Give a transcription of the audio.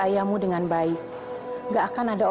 ayah baik baik ya